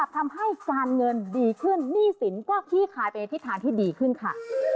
ทำให้การเงินดีขึ้นหนี้สินก็ขี้คายไปในทิศทางที่ดีขึ้นค่ะ